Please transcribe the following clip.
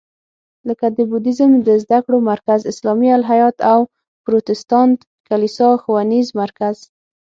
لکه د بودیزم د زده کړو مرکز، اسلامي الهیات او پروتستانت کلیسا ښوونیز مرکز.